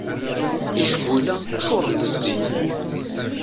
Icbuyla ččuren d zzit.